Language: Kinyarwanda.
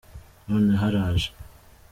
noneho araje